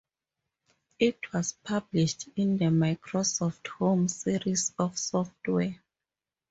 It was published in the Microsoft Home series of software.